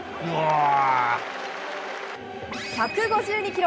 １５２キロ。